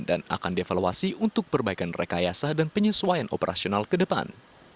dan akan diavaluasi untuk perbaikan rekayasa dan penyesuaian operasional ke depan